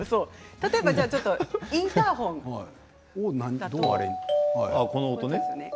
例えばインターホンですね。